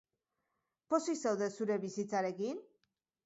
Pozik zaude zure bizitzarekin?